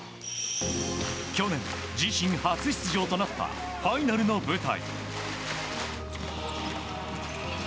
去年、自身初出場となったファイナルの舞台。